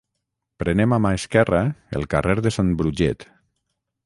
Prenem a mà esquerra el carrer de Sant Bruget